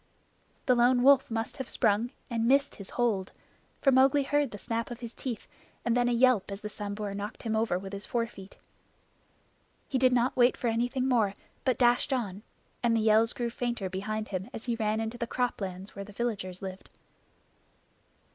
The Lone Wolf must have sprung and missed his hold, for Mowgli heard the snap of his teeth and then a yelp as the Sambhur knocked him over with his forefoot. He did not wait for anything more, but dashed on; and the yells grew fainter behind him as he ran into the croplands where the villagers lived.